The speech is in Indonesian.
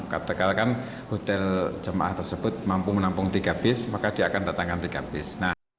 ketika kan hotel jemaah tersebut mampu menampung tiga bis maka dia akan datangkan tiga bus